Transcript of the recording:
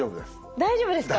大丈夫ですか？